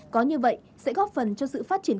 có như vậy sẽ góp phần cho sự phát triển